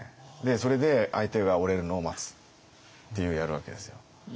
それで相手が折れるのを待つってやるわけですよ。